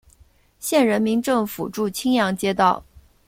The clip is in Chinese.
县人民政府驻青阳街道。